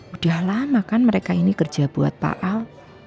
udah lama kan mereka ini kerja buat pak al